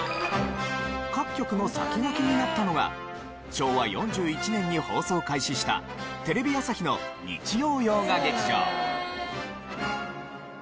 各局の先駆けになったのは昭和４１年に放送開始したテレビ朝日の『日曜洋画劇場』。